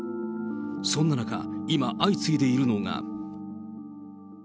そんな中、今相次いでいるのが。